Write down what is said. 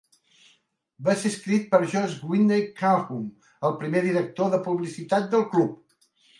Va ser escrit per George Whitney Calhoun, el primer director de publicitat del club.